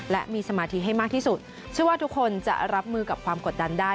และมีสมาธิให้มากที่สุดเชื่อว่าทุกคนจะรับมือกับความกดดันได้